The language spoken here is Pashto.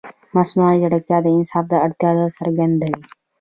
مصنوعي ځیرکتیا د انصاف اړتیا څرګندوي.